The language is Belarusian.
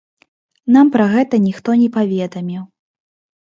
Нам пра гэта ніхто не паведаміў.